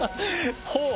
ほう！